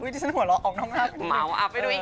ที่ฉันหัวเราะออกน้องหน้าไปดู